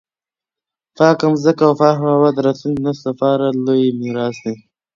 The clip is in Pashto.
پاکه مځکه او پاکه هوا د راتلونکي نسل لپاره لوی میراث دی.